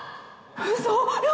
嘘！？